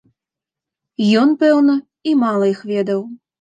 Ён, пэўна, і мала іх ведаў.